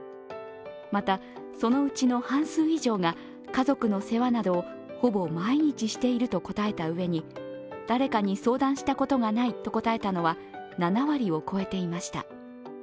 また、そのうちの半数以上が家族の世話などをほぼ毎日していると答えたうえに誰かに相談したことがないと答えたのは７割を超えていました。